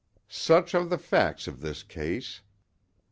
V Such are the facts of this case.